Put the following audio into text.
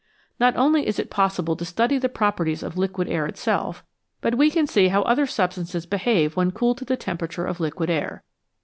Not only is it possible to study the properties of liquid air itself, but we can see how other substances behave when cooled to the temperature of liquid air.